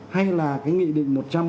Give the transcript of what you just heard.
hay là cái nghị định một trăm linh